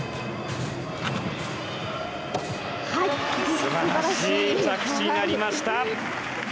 素晴らしい着地になりました。